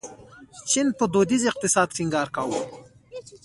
چین په دودیز اقتصاد ټینګار کاوه.